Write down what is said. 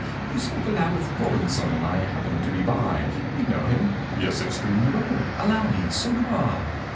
You spoke aloud of ROBINSON—I happened to be by. You know him?" "Yes, extremely well." "Allow me, so do I."